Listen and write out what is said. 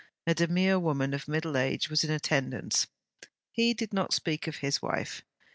A demure woman of middle age was in attendance. He did not speak of his wife.